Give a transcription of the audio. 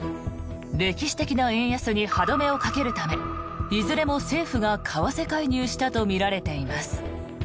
歴史的な円安に歯止めをかけるためいずれも政府が為替介入したとみられています。